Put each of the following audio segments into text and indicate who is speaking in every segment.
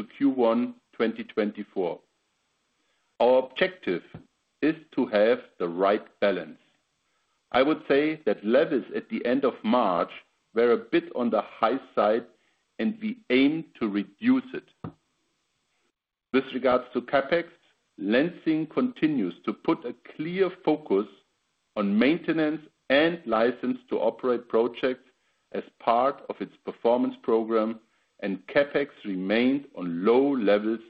Speaker 1: To Q1 2024. Our objective is to have the right balance. I would say that levels at the end of March were a bit on the high side, and we aim to reduce it. With regards to CapEx, Lenzing continues to put a clear focus on maintenance and license-to-operate projects as part of its performance program, and CapEx remains on low levels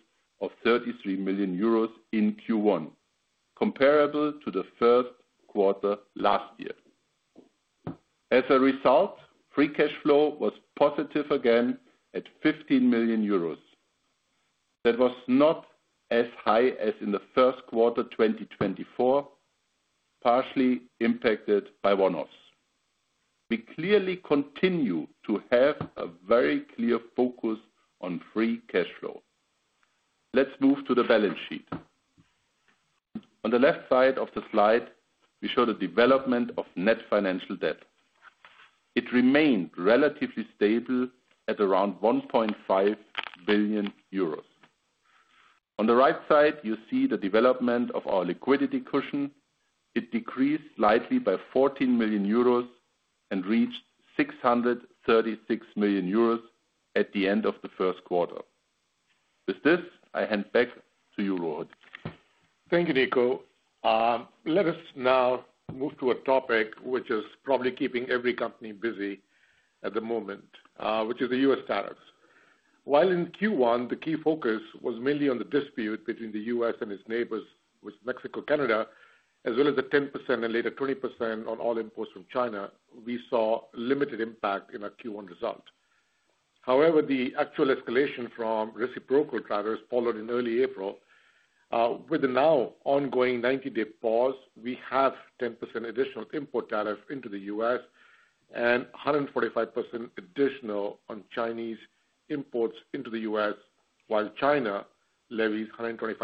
Speaker 1: of 33 million euros in Q1, comparable to the first quarter last year. As a result, free cash flow was positive again at 15 million euros. That was not as high as in the first quarter 2024, partially impacted by one-offs. We clearly continue to have a very clear focus on free cash flow. Let's move to the balance sheet. On the left side of the slide, we show the development of net financial debt. It remained relatively stable at around 1.5 billion euros. On the right side, you see the development of our liquidity cushion. It decreased slightly by 14 million euros and reached 636 million euros at the end of the first quarter. With this, I hand back to you, Rohit.
Speaker 2: Thank you, Nico. Let us now move to a topic which is probably keeping every company busy at the moment, which is the U.S. tariffs. While in Q1, the key focus was mainly on the dispute between the U.S. and its neighbors, which is Mexico, Canada, as well as the 10% and later 20% on all imports from China, we saw limited impact in our Q1 result. However, the actual escalation from reciprocal tariffs followed in early April. With the now ongoing 90-day pause, we have 10% additional import tariff into the U.S. and 145% additional on Chinese imports into the U.S., while China levies 125%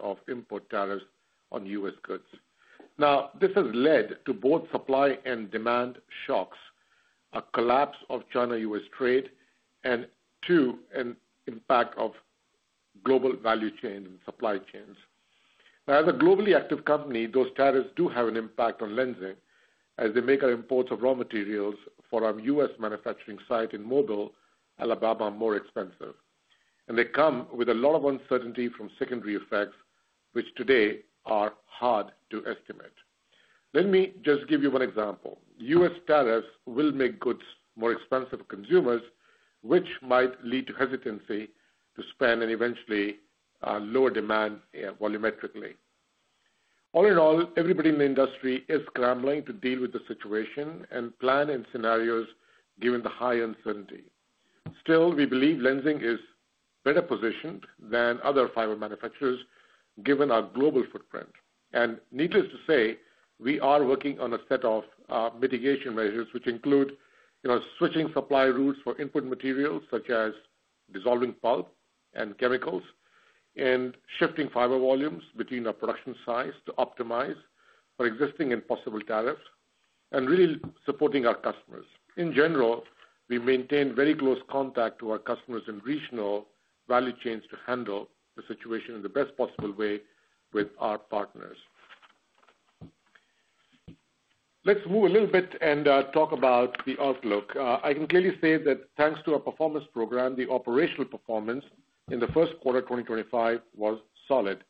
Speaker 2: of import tariffs on U.S. goods. Now, this has led to both supply and demand shocks, a collapse of China-U.S. trade, and two, an impact of global value chain and supply chains. As a globally active company, those tariffs do have an impact on Lenzing, as they make our imports of raw materials for our U.S. manufacturing site in Mobile, Alabama, more expensive. They come with a lot of uncertainty from secondary effects, which today are hard to estimate. Let me just give you one example. U.S. tariffs will make goods more expensive for consumers, which might lead to hesitancy to spend and eventually lower demand volumetrically. All in all, everybody in the industry is scrambling to deal with the situation and plan in scenarios given the high uncertainty. Still, we believe Lenzing is better positioned than other fiber manufacturers, given our global footprint. Needless to say, we are working on a set of mitigation measures, which include switching supply routes for input materials such as dissolving pulp and chemicals, and shifting fiber volumes between our production sites to optimize for existing and possible tariffs, and really supporting our customers. In general, we maintain very close contact with our customers and regional value chains to handle the situation in the best possible way with our partners. Let's move a little bit and talk about the outlook. I can clearly say that thanks to our performance program, the operational performance in the first quarter 2025 was solid.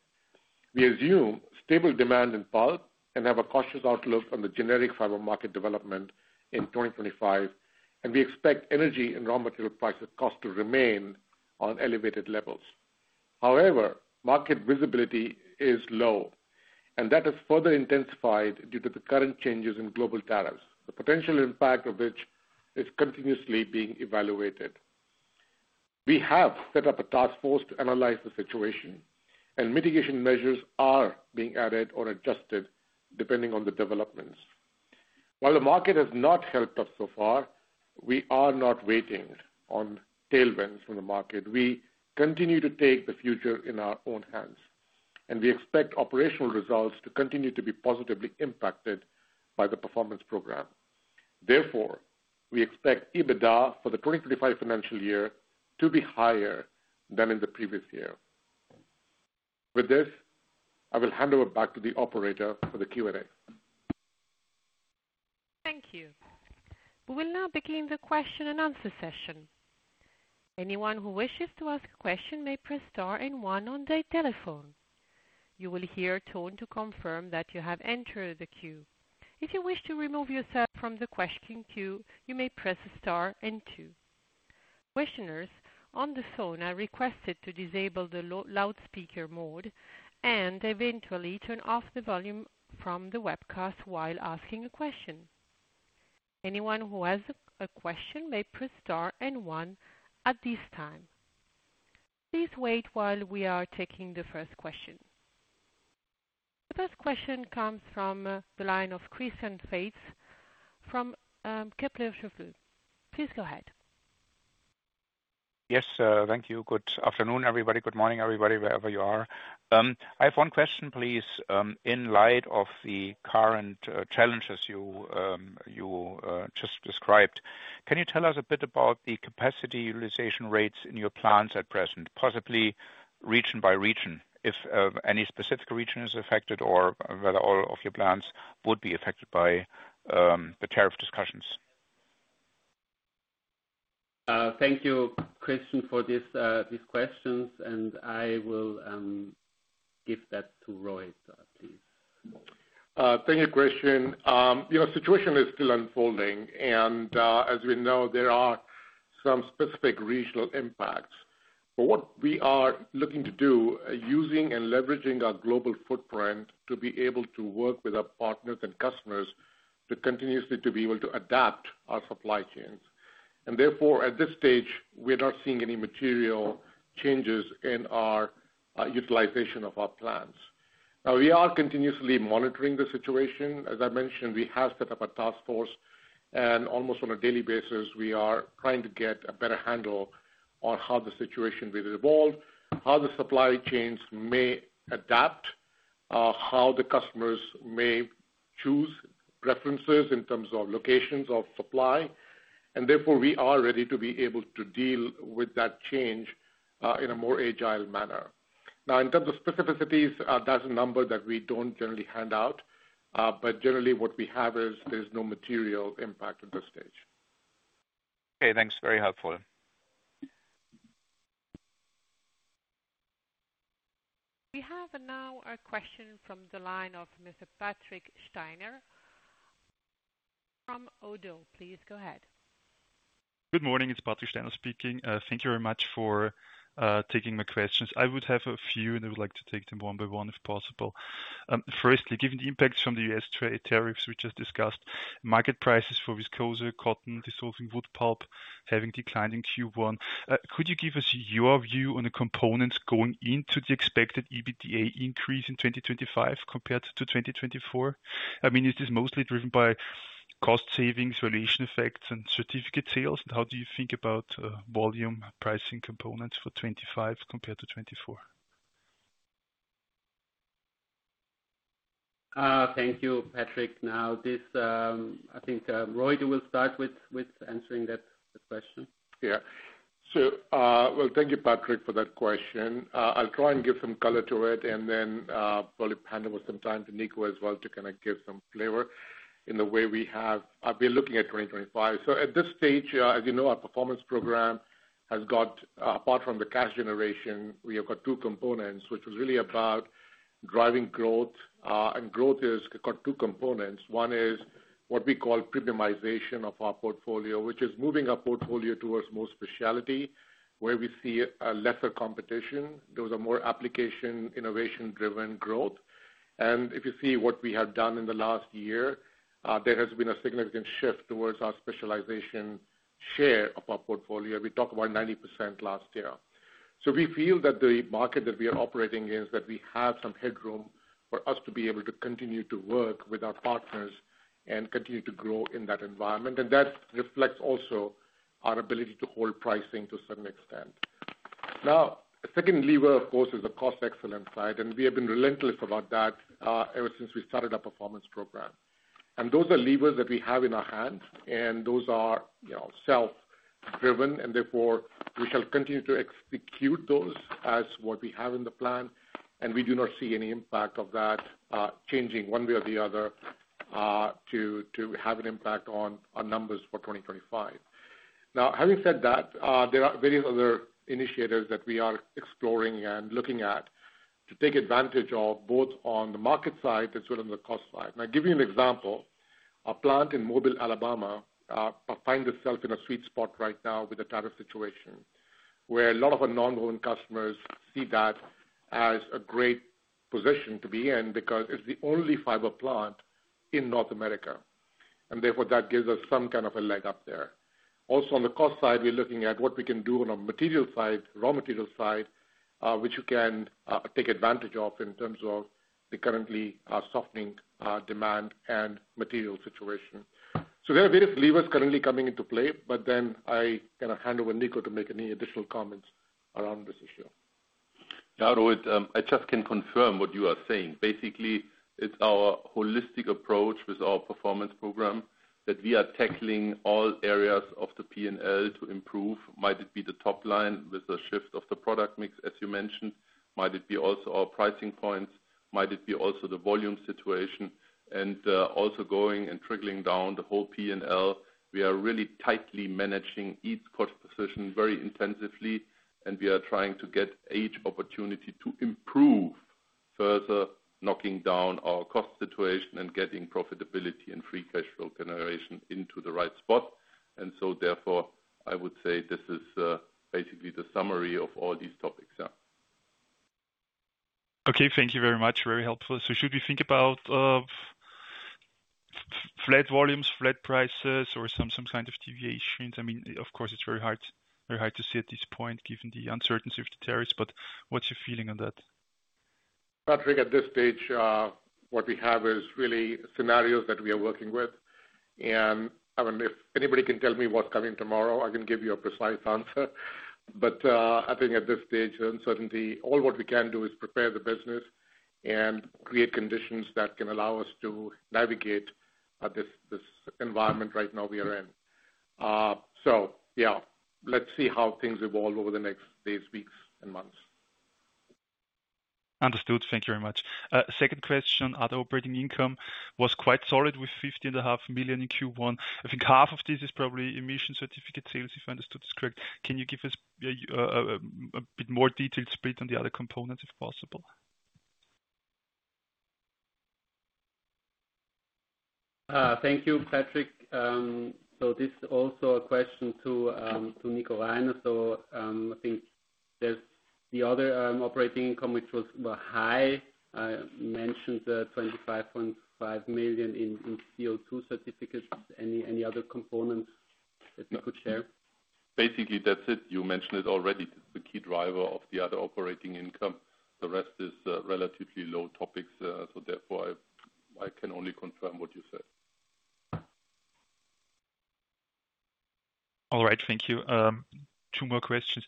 Speaker 2: We assume stable demand in bulk and have a cautious outlook on the generic fiber market development in 2025. We expect energy and raw material prices to remain on elevated levels. However, market visibility is low, and that is further intensified due to the current changes in global tariffs, the potential impact of which is continuously being evaluated. We have set up a task force to analyze the situation, and mitigation measures are being added or adjusted depending on the developments. While the market has not helped us so far, we are not waiting on tailwinds from the market. We continue to take the future in our own hands, and we expect operational results to continue to be positively impacted by the performance program. Therefore, we expect EBITDA for the 2025 financial year to be higher than in the previous year. With this, I will hand over back to the operator for the Q&A.
Speaker 3: Thank you. We will now begin the question and answer session. Anyone who wishes to ask a question may press star and one on their telephone. You will hear a tone to confirm that you have entered the queue. If you wish to remove yourself from the question queue, you may press star and two. Questioners on the phone are requested to disable the loudspeaker mode and eventually turn off the volume from the webcast while asking a question. Anyone who has a question may press star and one at this time. Please wait while we are taking the first question. The first question comes from the line of Christian Faitz from Kepler Cheuvreux. Please go ahead.
Speaker 4: Yes, thank you. Good afternoon, everybody. Good morning, everybody, wherever you are. I have one question, please. In light of the current challenges you just described, can you tell us a bit about the capacity utilization rates in your plants at present, possibly region by region, if any specific region is affected or whether all of your plants would be affected by the tariff discussions? Thank you, Christian, for these questions, and I will give that to Rohit, please.
Speaker 2: Thank you, Christian. The situation is still unfolding, and as we know, there are some specific regional impacts. What we are looking to do is using and leveraging our global footprint to be able to work with our partners and customers to continuously be able to adapt our supply chains. Therefore, at this stage, we're not seeing any material changes in our utilization of our plants. We are continuously monitoring the situation. As I mentioned, we have set up a task force, and almost on a daily basis, we are trying to get a better handle on how the situation will evolve, how the supply chains may adapt, how the customers may choose preferences in terms of locations of supply. Therefore, we are ready to be able to deal with that change in a more agile manner. Now, in terms of specificities, that's a number that we don't generally hand out, but generally, what we have is there is no material impact at this stage.
Speaker 4: Okay, thanks. Very helpful.
Speaker 3: We have now a question from the line of Mr. Patrick Steiner from ODDO BHF. Please go ahead.
Speaker 5: Good morning. It's Patrick Steiner speaking. Thank you very much for taking my questions. I would have a few, and I would like to take them one by one if possible. Firstly, given the impacts from the U.S. trade tariffs we just discussed, market prices for viscose, cotton, dissolving pulp having declined in Q1, could you give us your view on the components going into the expected EBITDA increase in 2025 compared to 2024? I mean, is this mostly driven by cost savings, relation effects, and certificate sales? How do you think about volume pricing components for 2025 compared to 2024? Thank you, Patrick. Now, I think Rohit will start with answering that question.
Speaker 2: Yeah. Thank you, Patrick, for that question. I'll try and give some color to it and then probably hand over some time to Nico as well to kind of give some flavor in the way we have been looking at 2025. At this stage, as you know, our performance program has got, apart from the cash generation, we have got two components, which was really about driving growth. Growth has got two components. One is what we call premiumization of our portfolio, which is moving our portfolio towards more specialty, where we see lesser competition. Those are more application innovation-driven growth. If you see what we have done in the last year, there has been a significant shift towards our specialization share of our portfolio. We talked about 90% last year. We feel that the market that we are operating in is that we have some headroom for us to be able to continue to work with our partners and continue to grow in that environment. That reflects also our ability to hold pricing to a certain extent. Now, a second lever, of course, is the cost excellence side, and we have been relentless about that ever since we started our performance program. Those are levers that we have in our hands, and those are self-driven, and therefore, we shall continue to execute those as what we have in the plan. We do not see any impact of that changing one way or the other to have an impact on our numbers for 2025. Now, having said that, there are various other initiatives that we are exploring and looking at to take advantage of both on the market side as well as on the cost side. Now, I'll give you an example. Our plant in Mobile, Alabama, finds itself in a sweet spot right now with the tariff situation, where a lot of our non-growing customers see that as a great position to be in because it's the only fiber plant in North America. That gives us some kind of a leg up there. Also, on the cost side, we're looking at what we can do on a material side, raw material side, which you can take advantage of in terms of the currently softening demand and material situation. There are various levers currently coming into play, but then I can hand over Nico to make any additional comments around this issue.
Speaker 1: Now, Rohit, I just can confirm what you are saying. Basically, it is our holistic approach with our performance program that we are tackling all areas of the P&L to improve. Might it be the top line with the shift of the product mix, as you mentioned? Might it be also our pricing points? Might it be also the volume situation? Also, going and trickling down the whole P&L, we are really tightly managing each cost position very intensively, and we are trying to get each opportunity to improve further, knocking down our cost situation and getting profitability and free cash flow generation into the right spot. Therefore, I would say this is basically the summary of all these topics.
Speaker 5: Okay, thank you very much. Very helpful. Should we think about flat volumes, flat prices, or some kind of deviations? I mean, of course, it's very hard to see at this point given the uncertainty of the tariffs, but what's your feeling on that?
Speaker 2: Patrick, at this stage, what we have is really scenarios that we are working with. If anybody can tell me what's coming tomorrow, I can give you a precise answer. I think at this stage, uncertainty, all what we can do is prepare the business and create conditions that can allow us to navigate this environment right now we are in. Yeah, let's see how things evolve over the next days, weeks, and months.
Speaker 5: Understood. Thank you very much. Second question, other operating income was quite solid with 15.5 million in Q1. I think half of this is probably emission certificate sales, if I understood this correct. Can you give us a bit more detailed split on the other components, if possible? Thank you, Patrick. This is also a question to Nico Reiner. I think the other operating income, which was high, mentioned 25.5 million in CO2 certificates. Any other components that you could share?
Speaker 1: Basically, that's it. You mentioned it already. It's the key driver of the other operating income. The rest is relatively low topics. Therefore, I can only confirm what you said.
Speaker 5: All right, thank you. Two more questions.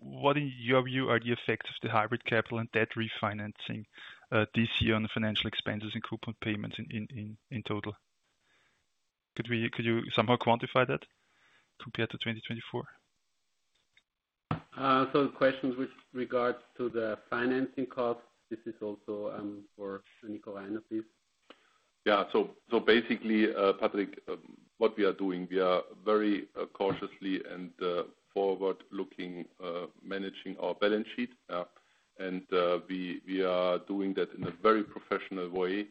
Speaker 5: What, in your view, are the effects of the hybrid capital and debt refinancing this year on the financial expenses and coupon payments in total? Could you somehow quantify that compared to 2024? The questions with regards to the financing costs, this is also for Nico Reiner, please.
Speaker 1: Yeah. Basically, Patrick, what we are doing, we are very cautiously and forward-looking managing our balance sheet. We are doing that in a very professional way.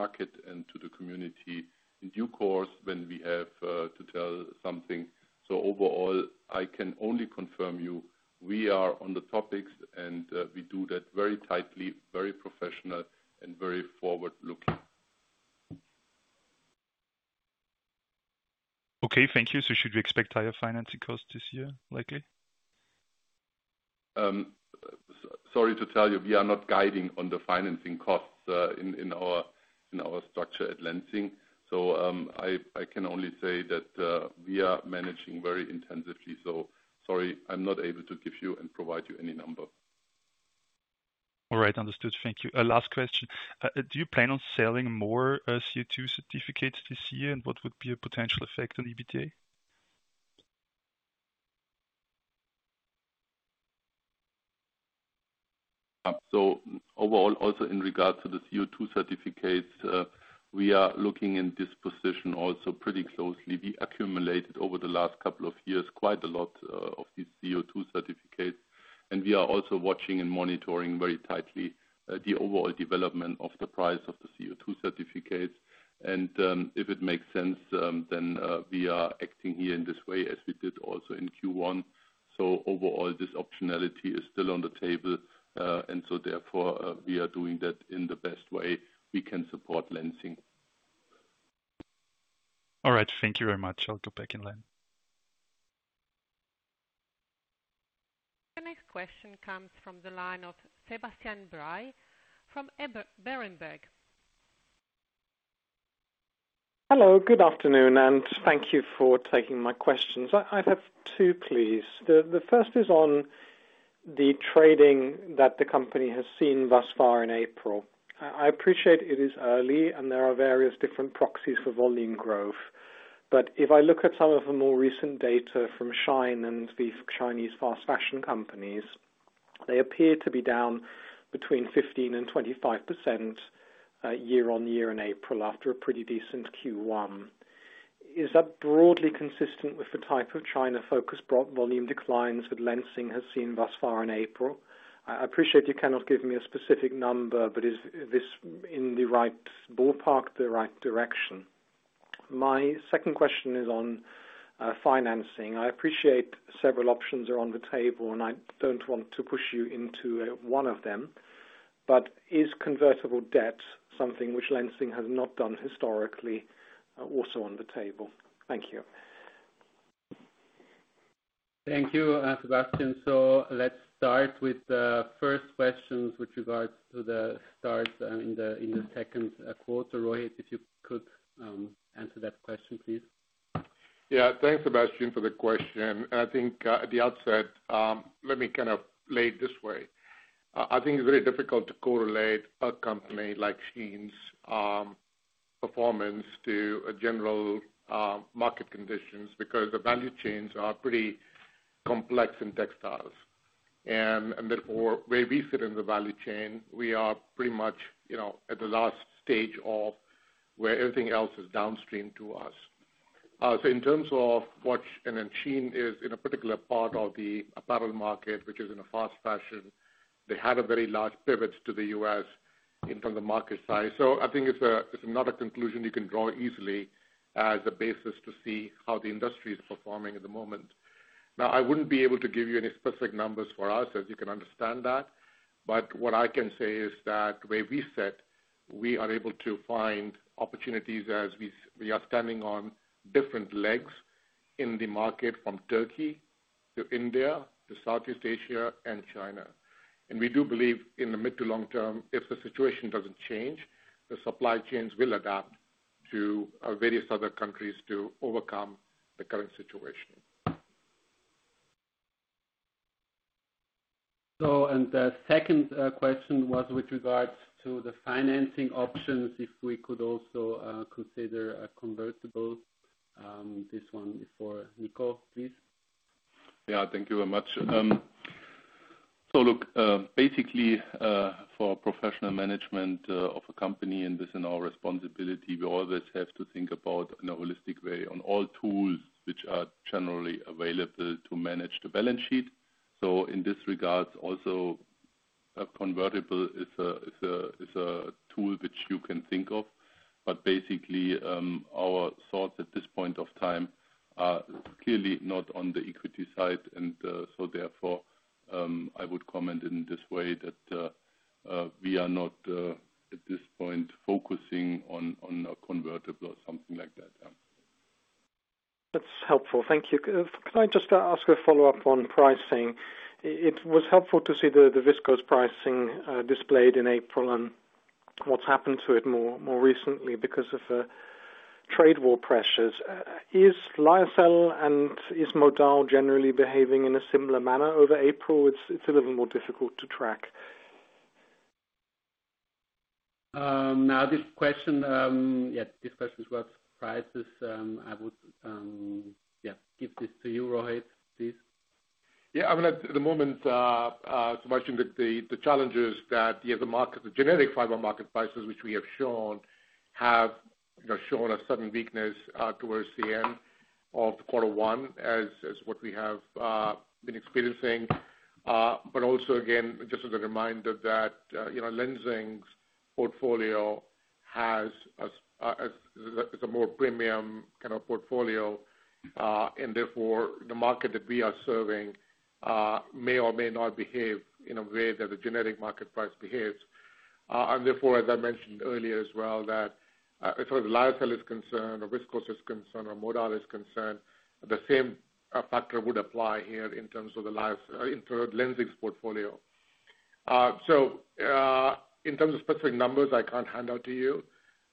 Speaker 1: Therefore, you have seen in the past that we have done a couple of actions. Might it be the capital injection? Might it be the maturity extension? Or might it be the refinancing, which we did very professionally and also very successfully for LDC? Overall, when it comes to debt refinancing topics, as you mentioned them, we will come to the market and to the community in due course when we have to tell something. Overall, I can only confirm you we are on the topics, and we do that very tightly, very professionally, and very forward-looking.
Speaker 5: Okay, thank you. Should we expect higher financing costs this year, likely?
Speaker 1: Sorry to tell you, we are not guiding on the financing costs in our structure at Lenzing. I can only say that we are managing very intensively. Sorry, I am not able to give you and provide you any number.
Speaker 5: All right, understood. Thank you. Last question. Do you plan on selling more CO2 certificates this year? What would be a potential effect on EBITDA?
Speaker 1: Overall, also in regards to the CO2 certificates, we are looking in this position also pretty closely. We accumulated over the last couple of years quite a lot of these CO2 certificates. We are also watching and monitoring very tightly the overall development of the price of the CO2 certificates. If it makes sense, then we are acting here in this way as we did also in Q1. Overall, this optionality is still on the table. Therefore, we are doing that in the best way we can support Lenzing.
Speaker 5: All right, thank you very much. I'll go back in line.
Speaker 3: The next question comes from the line of Sebastian Bray from Berenberg.
Speaker 6: Hello, good afternoon, and thank you for taking my questions. I have two, please. The first is on the trading that the company has seen thus far in April. I appreciate it is early, and there are various different proxies for volume growth. If I look at some of the more recent data from Shein and the Chinese fast fashion companies, they appear to be down between 15%-25% year on year in April after a pretty decent Q1. Is that broadly consistent with the type of China-focused volume declines that Lenzing has seen thus far in April? I appreciate you cannot give me a specific number, but is this in the right ballpark, the right direction? My second question is on financing. I appreciate several options are on the table, and I do not want to push you into one of them. Is convertible debt something which Lenzing has not done historically also on the table? Thank you. Thank you, Sebastian. Let's start with the first questions with regards to the start in the second quarter. Rohit, if you could answer that question, please.
Speaker 2: Yeah, thanks, Sebastian, for the question. I think at the outset, let me kind of lay it this way. I think it's very difficult to correlate a company like Shein's performance to general market conditions because the value chains are pretty complex in textiles. Therefore, where we sit in the value chain, we are pretty much at the last stage of where everything else is downstream to us. In terms of what Shein is in a particular part of the apparel market, which is in fast fashion, they had a very large pivot to the U.S. in terms of market size. I think it's not a conclusion you can draw easily as a basis to see how the industry is performing at the moment. I would not be able to give you any specific numbers for us, as you can understand that. What I can say is that where we sit, we are able to find opportunities as we are standing on different legs in the market from Turkey to India to Southeast Asia and China. We do believe in the mid to long term, if the situation does not change, the supply chains will adapt to various other countries to overcome the current situation. The second question was with regards to the financing options, if we could also consider convertible. This one is for Nico, please.
Speaker 1: Yeah, thank you very much. Look, basically, for professional management of a company, and this is our responsibility, we always have to think about in a holistic way on all tools which are generally available to manage the balance sheet. In this regard, also a convertible is a tool which you can think of. Basically, our thoughts at this point of time are clearly not on the equity side. Therefore, I would comment in this way that we are not at this point focusing on a convertible or something like that.
Speaker 6: That's helpful. Thank you. Can I just ask a follow-up on pricing? It was helpful to see the viscose pricing displayed in April and what's happened to it more recently because of trade war pressures. Is lyocell and is modal generally behaving in a similar manner over April? It's a little more difficult to track. Now, this question, yeah, this question is about prices. I would give this to you, Rohit, please.
Speaker 2: Yeah, I mean, at the moment, Sebastian, the challenge is that the market, the generic fiber market prices, which we have shown, have shown a sudden weakness towards the end of quarter one, as what we have been experiencing. Also, again, just as a reminder that Lenzing's portfolio is a more premium kind of portfolio. Therefore, the market that we are serving may or may not behave in a way that the generic market price behaves. Therefore, as I mentioned earlier as well, if Lyocell is concerned or Viscose is concerned or Modal is concerned, the same factor would apply here in terms of Lenzing's portfolio. In terms of specific numbers, I can't hand out to you.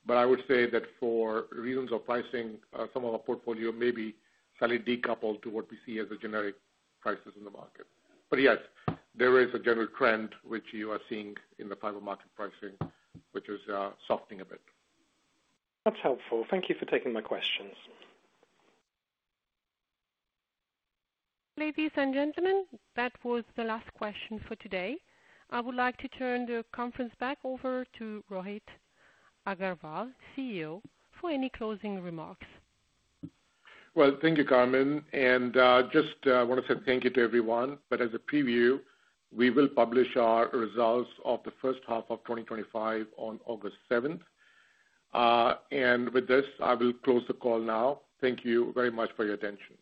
Speaker 2: I would say that for reasons of pricing, some of our portfolio may be slightly decoupled to what we see as the generic prices in the market. Yes, there is a general trend which you are seeing in the fiber market pricing, which is softening a bit.
Speaker 7: That's helpful. Thank you for taking my questions.
Speaker 3: Ladies and gentlemen, that was the last question for today. I would like to turn the conference back over to Rohit Aggarwal, CEO, for any closing remarks.
Speaker 2: Thank you, Carmen. I just want to say thank you to everyone. As a preview, we will publish our results of the first half of 2025 on August 7. With this, I will close the call now. Thank you very much for your attention.